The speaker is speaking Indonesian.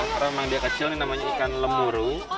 karena memang dia kecil namanya ikan lemuru